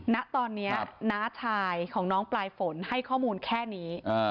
ณตอนนี้น้าชายของน้องปลายฝนให้ข้อมูลแค่นี้